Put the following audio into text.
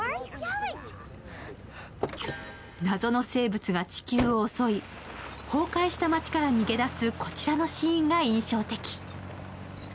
謎の生物が地球を襲い、崩壊した街から逃げ出すこちらのシーンが印象的。